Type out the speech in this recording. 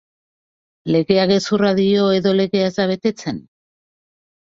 Legeak gezurra dio edo legea ez da betetzen?